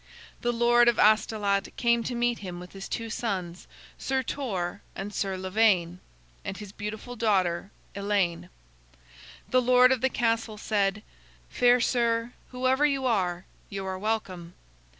The lord of Astolat came to meet him with his two sons, Sir Torre and Sir Lavaine, and his beautiful daughter Elaine. The lord of the castle said: "Fair sir, whoever you are, you are welcome.